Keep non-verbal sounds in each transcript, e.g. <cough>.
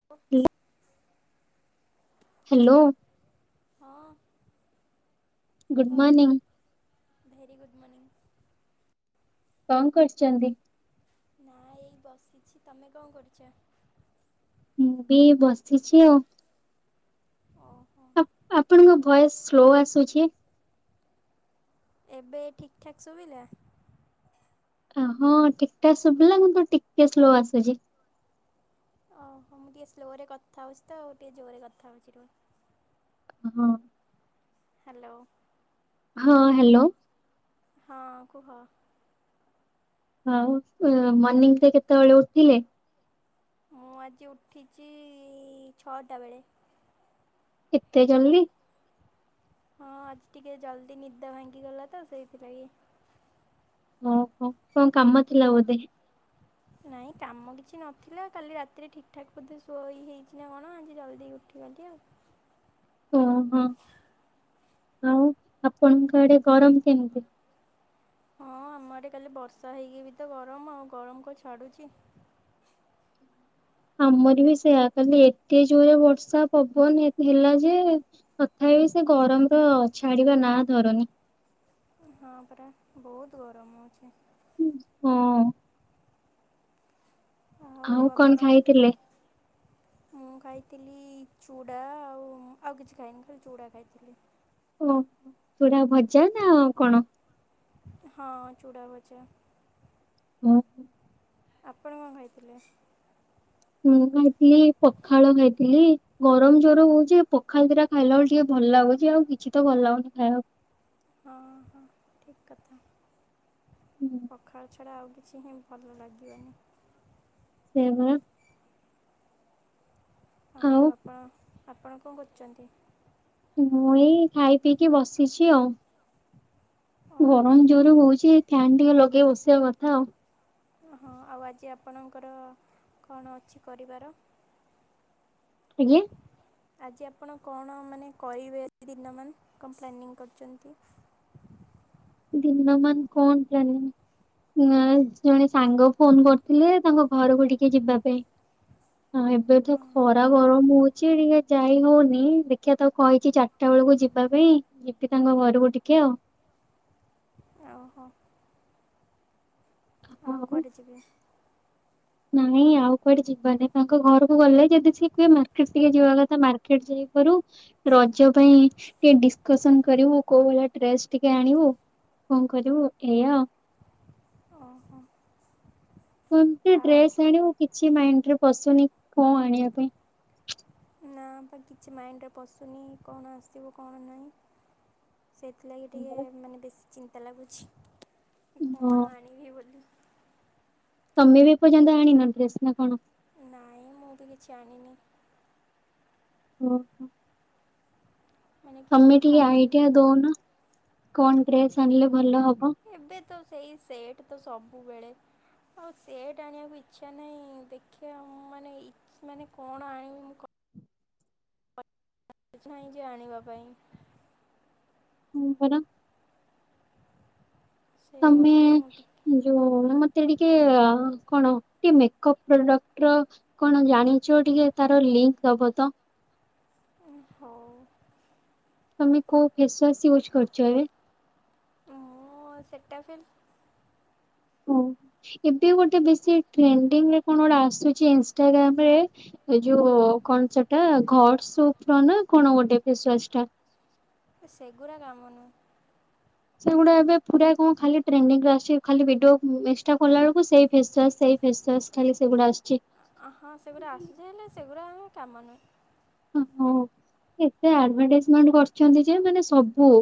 <unintelligible> Hello. ହଁ good କୁହ morning very good morning. କ କରିଚନ୍ତି? ମ ଏଇ ବସିଛି ତମେ କଣ କରୁଛ? ମୁଁ ବି ବସିଛି ଆଉ। ଓହୋ ଆ ଆପଣଙ୍କ ଭଏସ ସ୍ଲୋ ଆସୁଛି। ଏବେ ଠିକ୍ ଠାକ୍ ଶୁଭିଲା। ହଁ ଠିକଠାକ୍ ଶୁଭିଲା ମୁତ ଟିକେ ସ୍ଲୋ ଆସୁଛି। ଓହୋ ମୁଁ ଟିକେ ସ୍ଲୋରେ କଥା ହେଉଛି ତ ଟିକେ ଜୋରେ କଥା ହେଉଛି ରୁହ। ହଁ ହ୍ୟାଲୋ ହଁ ହ୍ୟାଲୋ ହଁ କୁହ। ଆଉ ଏ ମର୍ଣିିଂରେ କେତେବେଳେ ଉଠିଲେ? ମୁଁ ଆଜି ଉଠିଛି ଛଅଟା ବେଳେ। ଏତେ ଜଲଦି ହଁ ଆଜି ଟିକେ ଜଲ୍ଦି ନିଦ ଭାଙ୍ଗିଗଲା ତ ସେଇଥିପାଇଁ। ଓହୋ କଣ କାମ ଥିଲା ବୋଧେ? ନାଇଁ କାମ କିଛି ନଥିଲା କାଲି ରାତିରେ ଠିକ ଠାକ ବୋଧେ ଶୋଇ ହେଇଛି ନା କଣ ଆଜି ଜଲ୍ଦି ଉଠିଗଲି ଆଉ। ଓହୋ ଆଉ ଆପଣଙ୍କ ଆଡେ ଗରମ କେମତି? ହଁ ଆମ ଆଡେ କାଲି ବର୍ଷା ହେଇକି ବି ତ ଗରମ ଆଉ ଗରମ କଣ ଛାଡ଼ୁଛି। ଆମର ବି ସେୟା କାଲି ଏତେ ଜୋରେ ବର୍ଷା ପବନ ଏତ ହେଲା ଯେ ତଥା ବିି ସେ ଗରମ ର ଛାଡିବା ନା ଧରନି ହଁ ପରା ବହୁତ ଗରମ ହଉଛି। ହୁଁ ହଁ ହଉ ଆଉ କଣ ଆପଣଙ୍କ ଖାଇଥିଲେ? ମୁଁ ଖାଇଥିଲି ଚୁଡ଼ା ଆଉ ଆଉ କିଛି ଖାଇନି ଖାଲି ଚୁଡ଼ା ଖାଇଥିଲି। ଓହୋ ଚୁରା ଭଜା ନା ଆଉ କଣ? ହଁ ଚୂଡା ଭଜା। ହୁଁ ଆପଣ କଣ ଖାଇଥିଲେ? ମୁଁ ଖାଇଥିଲି ପଖାଳ ଖାଇଥିଲି ଗରମ ଜୋର ହଉଛି ପଖାଳ ଦିଟା ଖାଇଲା ବେଳ ଟିକେ ଭଲ ଲାଗୁଛି ଆଉ କିଛି ତ ଭଲଲାଗୁନି ଖାଇବାକୁ ହଁ ହଁ ଠିକ କଥା। ହୁଁ <inaudible> ପଖାଳ ଛଡ଼ା ଆଉ କିଛି ହିଁ ଭଲ ଲାଗିବନି। ସେୟାବା ଆଉ ଆପଣ ଆପଣ କଣ କରୁଛନ୍ତି? ମୁଁ ଏଇ ଖାଇ ପିଇକି ବସିଛି ଆଉ। ଓ ଗରମ ଜୋର ହଉଛି ଫ୍ୟାନ୍ ଟିକେ ଲଗେଇ ବସିବା କଥା ଆଉ। ହଁ ଆଉ ଆଜି ଆପଣଙ୍କର କଣ ଅଛି କରିବାର? ଆଜ୍ଞା ଆଜି ଆପଣ କଣ ମାନେ କଇବେ ଦିନମାନ କଣ ପ୍ଲାନିଂ କରିଛନ୍ତି? ଦିନ ମାନ କଣ ପ୍ଲାନିଙ୍ଗ ଜଏଁ ଜଣେ ସାଙ୍ଗ ଫୋନ କରିଥିଲେ ତାଙ୍କ ଘରକୁ ଟିକେ ଯିବା ପାଇଁ। ହଁ ଏବେ ତ ଖରା ଗରମ ହଉଛି ଟିକେ ଯାଇ ହଉନି ଦେଖିବା ତାକୁ କହିକି ଚାର ଚାରିଟା ବେଳକୁ ଯିବା ପାଇଁ ଯିବି ତାଙ୍କ ଘରକୁ ଟିକେ ଆଉ। ଓହୋ ଆଉ କୁଆଡେ ଯିବି ନାଇଁ ଆଉ କୁଆଡେ ଯିବାନାଇ ତାଙ୍କ ଘରକୁ ଗଲେ ଯଦି ସିଏ କୁହେ ମାର୍କେଟ ଟିକେ ଯିବା କଥା ମାର୍କେଟ ଯାଇପାରୁ ରଜ ପାଇଁ ଟିକେ ଡିସ୍କସନ୍ କରିବୁ କୋଉ ଭଳିଆ ଡ୍ରେସ୍ ଟିକେ ଆଣିବୁ କଣ କରିବୁ ଏୟା ଆଉ ଓହୋ କେନ୍ତି ଆଉ ଡ୍ରେସ ଆଣିବୁ କିଛି ମାଇଣ୍ଡରେ ପସୁନି କଣ ଆଣିବା ପାଇଁ ନା ବା କିଛି ମାଇଣ୍ଡରେ ପଶୁନି କଣ ଆସିବ କଣ ନାହିଁ। ସେଥିଲାଗି ଟିକେ ମାନେ ବେଶୀ ଚିନ୍ତା ଲାଗୁଛି କି ହଁ କଣ ଆଣିବି ବୋଲି। ତମେ ବି ଏ ପର୍ଯ୍ୟନ୍ତ ଆଣିନ ଡ୍ରେସ ନା କଣ? ନାଇଁ ମୁଁ ବି କିଛି ଆଣିନି। <unintelligible> ମାନେ କିଛି ତମେ ବି ଟିକେ ଆଇଡିଆ ଭାବିନି। ଦଉନ କଣ ଡ୍ରେସ୍ ଆଣିଲେ ଭଲ ହବ। ଏବେ ତ ସେଇ ସେଟ୍ ତ ସବୁବେଳେ। ହଉ ସେଟ୍ ଆଣିବାକୁ ଇଚ୍ଛା ନାହିଁ ଦେଖିବା ମୁଁ ମାନେ ସେ ମାନେ କଣ ଆଣିବି ମୁ କ ସ ନାହିଁ ଯେ ଆଣିବା ପାଇଁ। ହୁଁ ପରା। ତମେ। ସେଇଆକୁ ଯୋଉ ମତେ ଟିକେ କଣ ଟିକେ ମେକଅପ୍ ପ୍ରଡକ୍ଟ ର କଣ ଜାଣିଛ ଟିକେ ତାର ଲିଙ୍କ୍ ଦବ ତ ହଉ ତମେ କଉ ଫେସ୍ ୱାଶ୍ ୟୁଜ୍ କରଛ ହେ ହଁ ସେଟା ଫିଲ୍ ଓ ଏବେ ଗୋଟେ ବେଶୀ ଟ୍ରେଡ଼ିଙ୍ଗ୍ ରେ କଣ ଗୋଟେ ଆସୁଛି ଇନ୍ସାଟାଗ୍ରାମ ରେ ଏ ଯୋଉ କଣ ସେଟା ଘଡ୍ ସପର ନା କଣ ଗୋଟେ ଫେସ୍ ୱାସ୍ ଟା ସେଗୁଡ଼ା କାମ ନୁହ ସେଗୁଡା ଏବେ ପୁରା କଣ ଖାଲି ଟ୍ରେଣ୍ଡିରେ ଆସିଛି ଖାଲି ଭିଡିଓ ଇନସ୍ଟ ଖଲା ବେଳକୁ ସେଇ ଫେସୱାସ୍ ସେ ଫେସୱାସ୍ ଖାଲି ସେଗୁଡ଼ା ଆସୁଛି ହଁ ସେଗୁଡ଼ା ଆସୁଛି ହେଲେ ସେଗୁଡ଼ା ଆମେ କାମ ନୁହେ ହ ଏତେ ଆଡ ଭଟାଇଜମେଣ୍ଟ କରିଛନ୍ତି ଯେ ମାନେ ସବୁ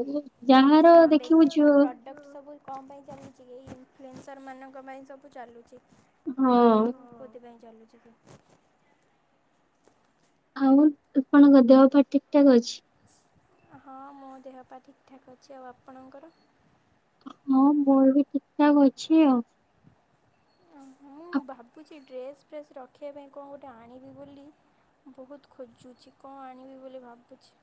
ଯାହାର ହଁ ବେଶୀ ଦେଖିବୁ ତ ଯ ପ୍ରଡ଼କ୍ଟ ସବୁ କଣ ପାଇଁ ଚାଲିଛି କି ଏଇ ଇନ୍ ଫ୍ଲୁଏନ୍ସର ମାନଙ୍କ ପାଇଁ ସବୁ ଚାଲୁଚି ହଁ ଆଉ ମୁଁ କୋଥିପାଇଁ ଚାଲୁଛି କି ଆଉ ଆପଣଙ୍କ ଦେହ ପା ଠିକ୍ ଠାକ୍ ଅଛି ହଁ ମୋ ଦେହ ପା ଠିକ୍ ଠାକ୍ ଅଛି, ଆଉ ଆପଣଙ୍କର ହଁ ମୋର ବି ଠିକ୍ ଠାକ୍ ଅଛି ଆଉ ମୁଁ ଆ- ଭାବୁଚି ଡ୍ରେସ୍ ଫ୍ରେସ୍ ରଖିବା ପାଇଁ କଣ ଗୋଟେ ଆଣିବି ବୋଲି ବହୁତ୍ ଖଜୁଚି କଣ ଆଣିବି ବୋଲି ଭାବୁଚି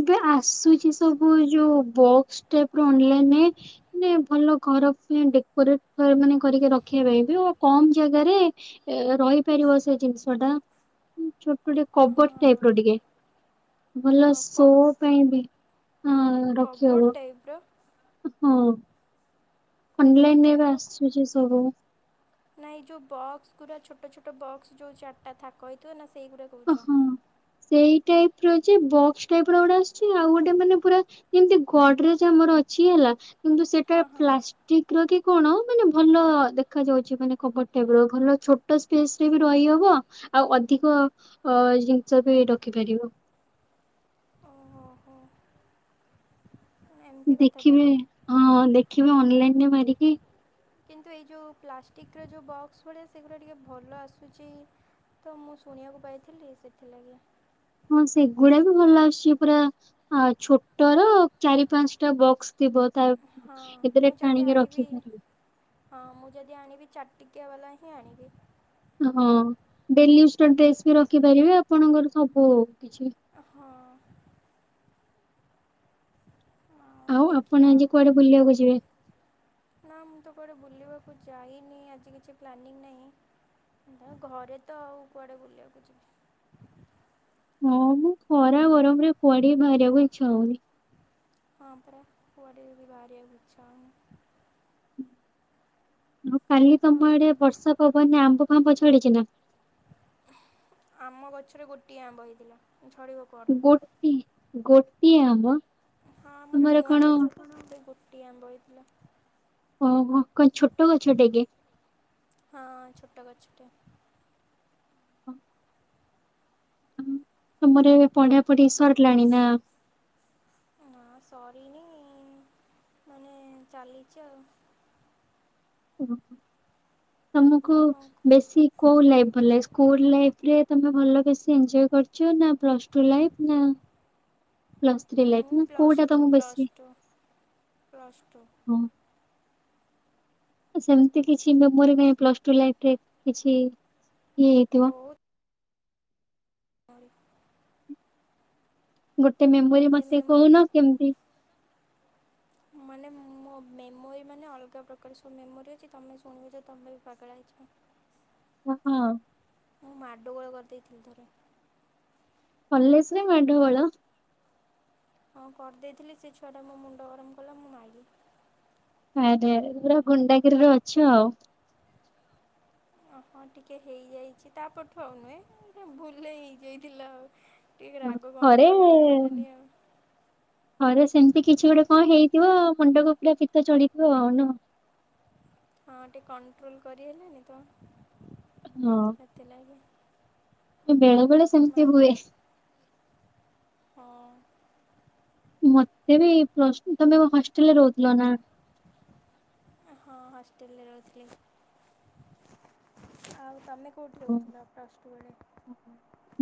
ଏବେ ଆସୁଛି ସବୁ ଯୋଉ ବକ୍ସ ଟାଇପ ର ଅନଲାଇନରେ ମାନେ ଭଲ ଘର ଡେକୋରେଟ ମାନେ କରିକି ରଖିବା ପାଇଁ ହବ କମ୍ ଜାଗାରେ ଏ ରହିପାରିବ ସେ ଜିନିଷ ଟା ଛୋଟୋ ଟେ ହଁ କବର ଟାଇପ୍ ର ଟିକେ ଭଲ ଆଉ ଶୋ କବ୍ ପାଇଁ ବି ହଁ କବୋର୍ଡ଼ ରଖିହବ ଟାଇପ୍ ର ହଁ କବୋର୍ଡ଼ ଅନଲାଇନରେ ଏବେ ଆସୁଛି ସବୁ। ନା ଏଇ ଜଉ ବକ୍ସ ଗୁରା ଛୋଟ ଛୋଟ ବକ୍ସ ଜଉ ଚାରିଟା ଥାକ ହେଇଥିବ ନା ସେଇଗୁଡ଼ା କହୁଛ। ହଁ। ସେଇ ଟାଇପର ଯେ ବକ୍ସ ଟାଇପର ଗୋଟେ ଆସୁଛି ଆଉ ଗୋଟେ ମାନେ ପୁରା। ଯେମିତି ଗଡ଼ରେଜ ଆମର ଅଛି ହେଲା। କିନ୍ତୁ ସେଟା ହଁ ହଁ। ପ୍ଲାଷ୍ଟିକର କି କଣ ମାନେ ଭଲ ଦେଖା ଯାଉଛି ମାନେ ଖବର। ହେବ ଭଲ ଛୋଟ ସ୍ପେସ ରେ ବି ରହିହବ ଆଉ ଅଧିକ। ଅ ଜିନିଷ ବି ରଖିପାରିବ। ଓହୋ ଓହୋ। ଦେଖିବେ। ତାହେଲେ। ହଁ ଦେଖିବେ ଅନଲାଇନରେ ମାରିକି। କିନ୍ତୁ ଏଇ ଜଉ ପ୍ଲାଷ୍ଟିକିର ଯେଉଁ ବକ୍ସ ଭଳିଆ ସେଗୁଡ଼ା ଟିକେ ଭଲ ଆସୁଛି। ତ ମୁଁ ଶୁଣିବାକୁ ପାଇଥିଲି ସେଥିଲାଗି। ହଁ ସେଗୁଡା ବି ଭଲ ଆସୁଛି ପୁରା ଛୋଟର ଚାରି ପାଞ୍ଚଟା ବକ୍ସ। ଥିବ ତା ହଁ ମୁଁ ଏଥିରେ ଯଦି ଟାଣିକି ଆଣିବି ରଖିପାରିବେ। ହଁ ମୁଁ ଯଦି ଆଣିବି ଚାଟଟିକିଆ ବାଲା ହିଁ ଆଣିବି। ହଁ ଡେଲିଉଜର ଡ୍ରେସ ବି ରଖିପାରିବେ ଆପଣଙ୍କର ସବୁ କିଛି। ହଁ। ଆଉ ଆପଣ ଦେଖିବା ଆଜି ଆଉ। କୁଆଡେ ବୁଲିବାକୁ ଯିବେ? ନା ମୁଁ ତ କୁଆଡେ ବୁଲିବାକୁ ଯାଇନି ଆଜି କିଛି ପ୍ଲାନିଂ ନାହିଁ। ନା ଘରେ ତ ଆଉ କୁଆଡ଼େ ବୁଲିବାକୁ ଯିଵି। ହଁମ ଖରା ଗରମରେ କୁଆଡେଵି ବାହାରିବାକୁ ଇଛାହଉନି। ହଁ ପରା କୁଆଡେଵି ବାହାରିବାକୁ ଇଛାହଉନି। ହଁ କାଲି ତମ ଆହୁରି ଆଡେ ବର୍ଷା ପବନରେ ଆମ୍ବ ଫାମ୍ବ ଝଡିଛି ନା। ଆମ ଗଛରେ ଗୋଟିଏ ଆମ୍ବ ହେଇଥିଲା ଝଡିବ କେ। ଗୋଟି ଗୋଟିଏ ଆମ୍ବ। ହଁ ଆମର ତମର କଣ ନୂଆଗଛତ ଗୋଟିଏ ଆମ୍ବ ହେଇଥିଲା। ଓହୋ କଣ ଛୋଟ ଗଛଟେ କି। ହଁ ଛୋଟ ଗଛଟେ। ତମର ଏ ପଢାପଢି ସରିଲାଣି ନା। ନା ସରିନି ମାନେ ଚାଲିଛି ଆଉ। ଓହୋ ତମକୁ କଣ ବେଶୀ। କୋଉ ଲାଇଫ ଭଲଲାଗେ। ସ୍କୁଲ ଲାଇଫରେ ତମେ ଭଲ ବେଶି ଏନଜୟ କରୁଛ ନାଁ ପ୍ଲସଟୁ ଲାଇଫ ନାଁ। ପ୍ଲସଥ୍ରୀ ମୁଁ ଲାଇଫନା ପ୍ଲସ୍ କୋଉଟା ଟୁ ତମକୁ ପ୍ଲସ୍ ବେସି। ଟୁ ପ୍ଲସ୍ ଟୁ ସେମିତି କିଛି ମେମୋରି ନାହିଁ ପ୍ଲସଟୁ ଲାଇଫରେ କିଛି ହେଇଥିବ। ହଉ। ଗୋଟେ ମେମୋରି ଏତେ ମତେ ମେମୋରି କହୁନ କେମତି। ମାନେ ମୋ ମେମୋରି ମାନେ ଅଲଗା ପ୍ରକାର ସବୁ ମେମୋରୀ ଅଛି ତମେ ଶୁଣୁଛ ତମେ ଵି ପାଗଳ ହେଇଯିବ। କହ। ମୁଁ ମାଡଗୋଳ କରିଦେଇଥିଲି ଥରେ। କଲେଜରେ ମାଡଗୋଳ। ହଁ କରିଦେଇଥିଲି ସେ ଛୁଆଟା ମୋ ମୁଣ୍ଡ ଗରମ କଲା ମୁଁ ମାଇଲି। ଆରେ ପୁରା ଗୁଣ୍ଡାଗିରିରେ ଅଛ ଆଉ। ଓହଟିକେ ହେଇଯାଇଛି ତାପଠୁ ଆଉ ନୁହେଁ ଭୁଲ ହେଇଯାଇଥିଲା ଆଉ। ଟିକେ ରାଗ ଥରେ କଣ୍ଟ୍ରୋଲ୍ କରି ହେଲାଣି ଆଉ। ଘରେ ସେମିତି କିଛି ଗୋଟେ କଣ ହେଇଥିବ ମୁଣ୍ଡକୁ ପୁରା ପିତ ଚଢିଥିବ ଆଉନୁହେଁ। ହଁ ଟିକେ କଣ୍ଟ୍ରୋଲ କରିହେଲାଣି ତ। ହଁ। ସେଥିଲାଗି ବେଳେ ବେଳେ ସେମିତି ହୁଏ। ମାରିଦିଏ। ହଁ। ମତେ ବି ପ୍ଲସ ତମେ ହଷ୍ଟେଲରେ ରହୁଥିଲ ନା? ହଁ ହଷ୍ଟେଲରେ ରହୁଥିଲି। ଆଉ ତମେ କେଉଁଠି ରହୁଥିଲ ପ୍ଲସ ଟୁ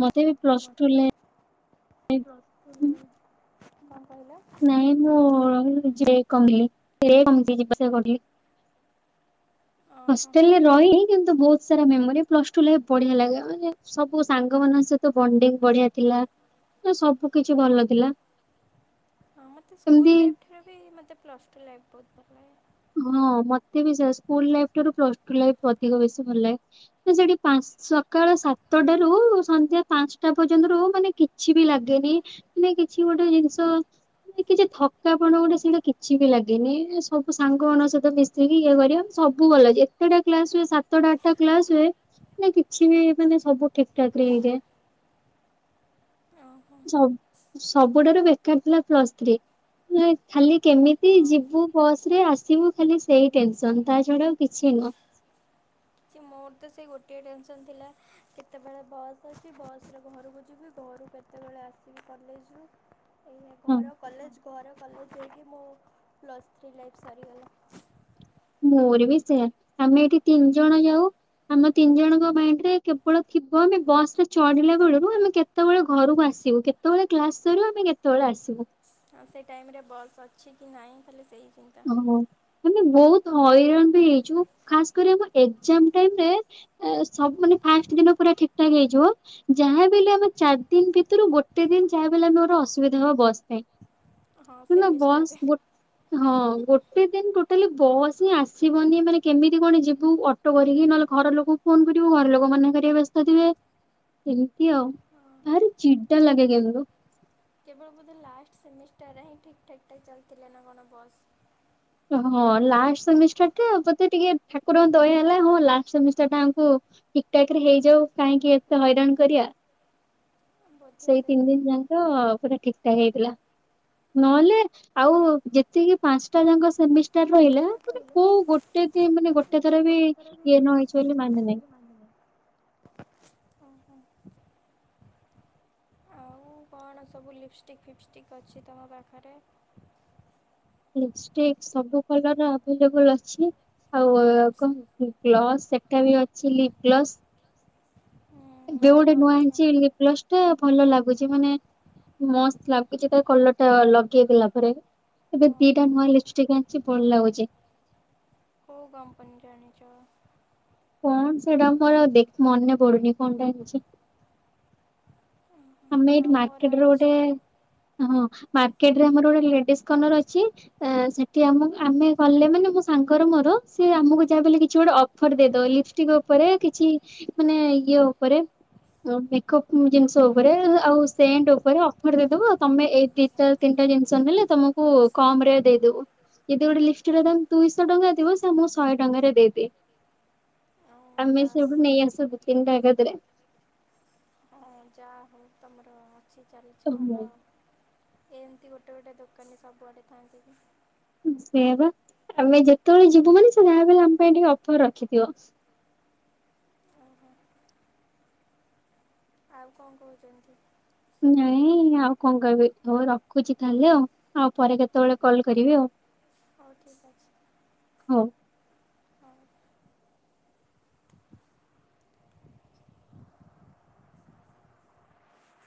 ମତେ ବି ପ୍ଲସ୍ ଟୁ ମୋତେ ଲେ ପ୍ଲସ ଟୁ ରେ, କଣ କହିଲ? ନାଇଁ ମୁଁ ଯେ କମିଲିରେ କମିି ଯିବାସିବା କରିଲି। ଓହୋ। ହଷ୍ଟ୍ରେଲରେ ରହି କିନ୍ତୁ ବହୁତ ସାରା ମେମୋରି ପ୍ଲସ ଟୁ ରେ ବଢିଆ ଲାଗିଅ ମାନେ ସବୁ ସାଙ୍ଗ ମାନଙ୍କ ସହିତ ବଣ୍ଡିଙ୍ଗ ବଢିଆ ଥିଲା ସବୁ କିଛି ଭଲ ଥିଲା। ହଁ ମୋତେ ସ୍କୁଲ ଏମିତି ଲାଇଫ୍ ଠାରୁ ବି ମୋତେ ପ୍ଲସ୍ ଟୁ ଲାଇଫ୍ ବହୁତ ଭଲ ଲାଗେ। ହଁ ମତେ ବି ସେୟା ସ୍କୁଲ ଲାଇଫ ଠାରୁ ପ୍ଲସ ଟୁ ଲାଇଫ ଅଧିକ ବେସି ଭଲ ଲାଗେ ତ ସେଠି ପନ୍ସ୍ ସକାଳ ସାତଟାରୁ ସନ୍ଧ୍ୟା ପାଞ୍ଚଟା ପର୍ଯ୍ୟନ୍ତରୁ ମାନେ କିଛି ବି ଲାଗେନି ମାନେ କିଛି ଗୋଟେ ଜିନିଷ କିଛି ଥକାପଣ ଗୋଟେ ସେଇଟା କିଛି ବି ଲାଗେନି ସବ୍ ସାଙ୍ଗ ନଙ୍କ ସହିତ ମିଶିକି ଇଏ କରିଅ ସବୁ ଭଲ ଲାଗିଅ ଯେତେଟା କ୍ଲାସ ହୁଏ ସାତଟା ଆଠଟା କ୍ଲାସ ହୁଏ ନା କିଛି ବି ମାନେ ସବୁ ଠିକଠାକ ରେ ହେଇଯାଏ। ଓହୋ ସବ୍ ସବୁଠାରୁ ବେକାର ଥିଲା ପ୍ଲସ୍ ଥ୍ରୀ। ନାଇଁ ଖାଲି କେମିତି ହଁ। ଯିବୁ ବସ୍ ରେ ଆସିବୁ ଖାଲି ସେଇ ଟେନସନ ତା ଛଡା ଆଉ କିଛି ବି ନୁହଁ। ମୋର ତ ସେ ଗୋଟିଏ ଟେନସନ୍ ଥିଲା କେତେବେଳେ ବସ୍ ଅଛି ବସରେ ଘରକୁ ଯିବି ଘରୁ କେ ସେତେବେଳେ ଆସିକି କଲେଜରୁ ଏଇ ହଁ କର କଲେଜ କର କଲେଜ ହେଇକି ମୁଁ ପ୍ଲସ୍ ଥ୍ରୀ ଲାଇଫ୍ ସରିଗଲି। ମୋର ବି ସେୟା ଆମେ ଏଠି ତିନି ଜଣ ଯାଉ ଆମ ତିନି ଜଣଙ୍କ ମାଇଣ୍ଡ ରେ କେବଳ ଥିବ ଆମେ ବସ ରେ ଚଢିଲା ବେଳରୁ ଆମେ କେ କେତେବେଳେ ଘରକୁ ଆସିବୁ କେତେବେଳେ କ୍ଲାସ ସରିବ ଆମେ କେତେବେଳେ ଆସିବୁ। ଆଉ ସେ ଟାଇମେ ବସ୍ ଅଛି କି ନାହିଁ ଖାଲି ସେହି ଚିନ୍ତା। ହ ମାନେ ବହୁତ ହଇରାଣ ବି ହେଇଛୁ ଖାସ କରି ଆମ ଏକ୍ସାମ୍ ଟାଇମରେ ଏ ସବୁ ମାନେ ଫାଷ୍ଟ ଦିନ ପୁରା ଠିକ୍ ଠାକ୍ ହେଇଯିବ। ଯାହା ବି ହେଲେ ଆମେ ଚାରି ଦିନ ଭିତରୁ ଗୋଟେ ଦିନ ଯାହା ବି ହେଲେ ଆମେ ଗୋଟେ ଅସୁବିଧା ହବ ବସ୍ ପାଇଁ। ହଁ ମାନ୍ ବସ୍ ସେମିଷ୍ଟାରରେ ଗୋ ହଁ ଗୋ ଗୋଟେ ଦିନ ଟୋଟାଲି ବସ୍ ହିଁ ଆସିବନି ମାନେ କେମିତି କଣ ଯିବୁ ଅଟୋ କରିକି ନହେଲେ ଘର ଲୋକକୁ ଫୋନ କରିବୁ ଘର ଲୋକ ମାନେ କରିବେ ବ୍ୟସ୍ତ ଥିବେ। ଏମିତି ଆଉ ହଁ ଭାରି ଚିଡା ଲାଗେ କିନ୍ତୁ। କେବଳ ବୋଧେ ଲାଷ୍ଟ ସେମିଷ୍ଟାରରେ ହିଁ ଠିକ୍ ଠାକ୍ ଟା ଚାଲିଥିଲେ ନା କଣ ବସ୍। ହଁ ଲାଷ୍ଟ ସେମିଷ୍ଟାର ବୋଧେ ଟିକେ ଠାକୁରଙ୍କ ଦୟା ହେଲା ହଁ ଲାଷ୍ଟ ସେମିଷ୍ଟାର ଆଙ୍କୁ ଠିକ୍ ଠାକ୍ ରେ ହେଇଯାଉ କାହିଁକି ଏତେ ହଇରାଣ କରିଆ। ବୋଧେ ସେଇ ତିନି ସେଇଆ ଦିନ ଯାକ ପୁରା ଠିକ୍ ଠାକ୍ ହେଇଥିଲା ନହେଲେ ଆଉ ଯେତିକି ପାଞ୍ଚଟା ଯାକ ସେମିଷ୍ଟାର ରହିଲା ତା ମାନେ କହିଲେ କୋଉ ଗୋଟେ ଦ ମାନେ ଗୋଟେ ଥର ବି ଗୋଟେ ଥର ବି ଇଏ ନ ହେଇଛି ବୋଲି ଟ୍ରେନ୍ ହେଉଛି ମାନେ ନାଇଁ। ବୋଲି ମାନିନି ଓହୋ ଆଉ କଣ ସବୁ ଲିପଷ୍ଟିକ୍ ଫିପଷ୍ଟିକ୍ ଅଛି ତୁମ ପାଖରେ? ଲିପଷ୍ଟିକ ସବୁ କଲର ଆଭେଲେବଲ ଅଛି। ଆଉ କଣ ଗ୍ଲସ୍ ସେଟା ବି ଅଛିି ଲିପ୍ ଗ୍ଲସ୍। ଏବେ ଆଉ ଗୋଟେ କ'ଣ ନୂଆ ଅଛି ଆଣିଚି ଲିପ୍ ଗ୍ଲସ ଟେ ଭଲ ଲାଗୁଛି ମାନେ ମସ୍ତ ଲାଗୁଛି ତ କଲର ଟା ଲଗେଇ ଦେଲା ପରେ। ଏବେ ଦିଟା ଓହୋ ନୁଆଁ ଲିପିଷ୍ଟିକ୍ ଆଣିିଛି ଭଲ ଲାଗୁଛି। କଉ କମ୍ପାନି ର ଆଣିଚ। କଣ ସେଇଟା ମୋର ଦେଖ ମନେ ପଡୁନି କଣଟା ଆଣିଚି। ଆମେ ଏଇଠି ନା ମୋର ମାର୍କେଟ ଗୋଟେ ଅଛି ହଁ ମାର୍କେଟରେ ଆମର ଗୋଟେ ଲେଡିସ୍ କର୍ଣର ଅଛି। ସେଠି ଆମ ଆମେ ଗଲେ ମାନେ ମୋ ସାଙ୍ଗର ମୋର ସେ ଆମକୁ ଯାହା ବି ହେଲେ କିଛି ଗୋଟେ ଅଫର ଦେଇଦବ ଲିପ ଷ୍ଟିକ୍ ଉପରେ କିଛି ମାନେ ଇଏ ଉପରେ ମେକପ୍ ଜିନିଷ ଆଉ। ଉପରେ ଆଉ ସେଣ୍ଟ ଉପରେ ଅଫର ଦେଇଦବ ତମେ ଏଇ ଦିଟା ତିନିଟା ଜିନିଷ ନେଲେ ତମକୁ। କୁ କମ୍ ରେ ଦେଇଦେବୁ। ଯଦି ଗୋଟେ ଲିପଷ୍ଟିକ୍ ର ଦାମ୍ ଦୁଇଶହ ଟଙ୍କା ଥିବ ସେ ଆମକୁ ଶହେ ଟଙ୍କାରେ ଦେଇଦିଏ। ଆଉ ଆମେ ସେଇଠୁ ଯାହା ନେଇଆସୁ ଦି ତିନି ଟା ଏକାଥରେ। ହ ଯାହା ହଉ ତମର ଅଛି ଚାଲିଛି ଓହୋ। ଭଲ। ଏମିତି ଗୋଟେ ଗୋଟେ ଦୋକାନୀ ସବୁଆଡ଼େ ଥାଆନ୍ତେକି। ସେଇ ବା ଆମେ ଯେତେବେଳେ ଯିବୁ ମାନେ ସେ ଯାହା ବି ହେଲେ ଆମ ପାଇଁ ଟିକେ ଅଫର ରଖିଥିବ। ଓହୋ ଆଉ କଣ କହୁଛନ୍ତି? ନାଇଁ ଆଉ କଣ କହିବି ହଉ ରଖୁଛି ତାହଲେ ଆଉ। ଆଉ ପରେ କେତେବେଳେ କଲ୍ କରିବି ଆଉ। ହଉ ଠିକ୍ ଅଛି। ହଉ। ହଉ